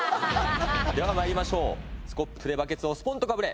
まいりましょうスコップでバケツをスポンとかぶれ！